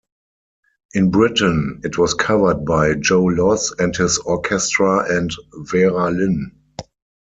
In Britain, it was covered by Joe Loss and His Orchestra and Vera Lynn.